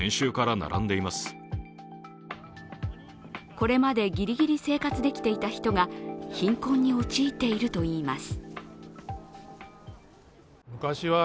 これまでギリギリ生活できていた人が貧困に陥っているといいます。